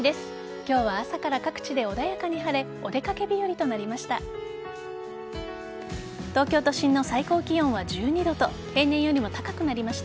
今日は朝から各地で穏やかに晴れお出掛け日和となりました。